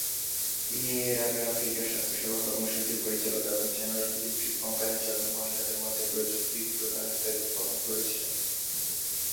তিনি এর আগে আফ্রিকার স্বাস্থ্যসেবা কর্মসূচির পরিচালক এবং জেনারেল ইলেকট্রিক কোম্পানির জন্যে মহিলাদের মধ্যে প্রযুক্তি প্রধানের দায়িত্ব পালন করেছিলেন।